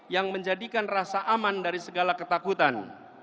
yang menjadikan rasa aman dari segala ketakutan